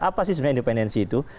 apa sih sebenarnya independensi itu